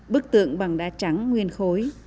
bức tượng bằng đá trắng nguyên khối